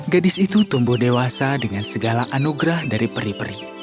gadis itu tumbuh dewasa dengan segala anugerah dari peri peri